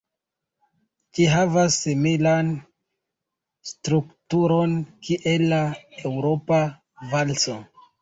Ĝi havas similan strukturon kiel la Eŭropa valso.